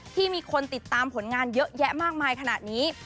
ที่มีคนติดตามผลงานเยอะแยะมากมายขนาดนี้